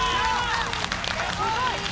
すごい。